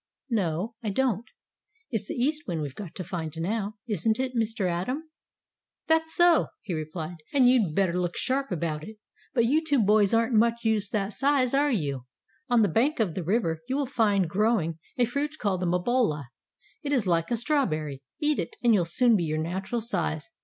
"No, I don't. It's the East Wind we've to find now. Isn't it, Mr. Atom?" "That's so," he replied. "And you'd better look sharp about it. But you two boys aren't much use that size, are you? On the bank of the river you will find growing a fruit called the mabola. It is like a strawberry. Eat it, and you'll soon be your natural size.